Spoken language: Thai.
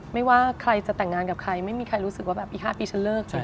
ไม่ว่าใครจะแต่งงานกับใครไม่มีใครรู้สึกว่าแบบอีก๕ปีฉันเลิกใช่ไหม